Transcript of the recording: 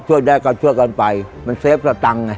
ช่วยได้ก็ช่วยกันไปมันเฟฟสตังค์ไง